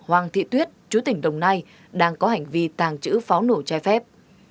hoàng thị tuyết chú tỉnh đồng nai đang có hành vi tàng trữ pháo nổ trái phép